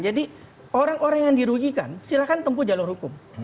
jadi orang orang yang dirugikan silahkan tempuh jalur hukum